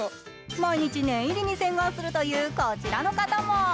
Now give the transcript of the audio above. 毎日念入りに洗顔するというこちらの方も。